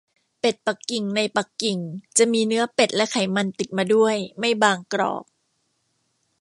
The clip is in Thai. เป็ดปักกิ่งในปักกิ่งจะมีเนื้อเป็ดและไขมันติดมาด้วย ไม่บางกรอบ